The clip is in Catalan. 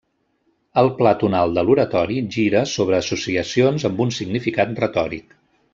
El pla tonal de l'oratori gira sobre associacions amb un significat retòric.